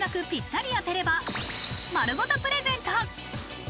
ぴったり当てれば丸ごとプレゼント。